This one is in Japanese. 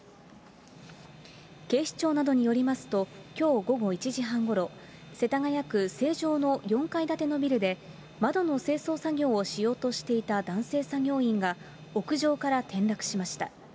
警視庁などによりますと、きょう午後１時半ごろ、世田谷区成城の４階建てのビルで、窓の清掃作業をしようとしていた男性作業員が、屋上から転落しました。